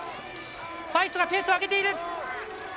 ファイストがペースを上げている。